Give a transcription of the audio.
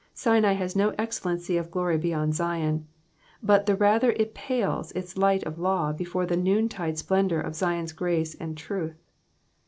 Sinai has no excellency of glory beyond Zion ; but the rather it pales its light of law before the noontide splendours of Zion's grace and truth.